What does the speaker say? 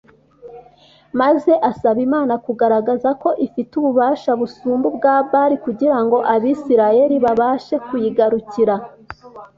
maze asaba Imana kugaragaza ko ifite ububasha busumba ubwa Bali kugira ngo Abisirayeli babashe kuyigarukira